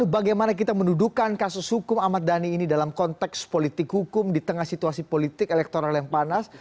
bagaimana kita mendudukan kasus hukum ahmad dhani ini dalam konteks politik hukum di tengah situasi politik elektoral yang panas